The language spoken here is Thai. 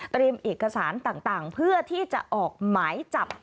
เอกสารต่างเพื่อที่จะออกหมายจับ